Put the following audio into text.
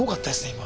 今。